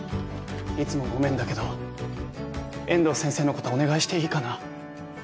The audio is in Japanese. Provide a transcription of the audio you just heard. いつもごめんだけど遠藤先生のことお願いしていいかな？